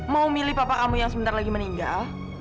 mau milih bapak kamu yang sebentar lagi meninggal